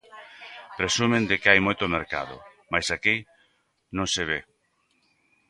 Presumen de que hai moito mercado mais aquí non se ve.